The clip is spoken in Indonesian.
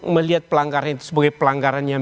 melihat pelanggaran itu sebagai pelanggaran yang